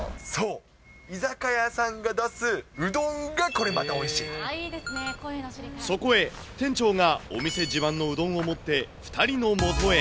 そう、居酒屋さんが出すうどそこへ、店長がお店自慢のうどんを持って、２人のもとへ。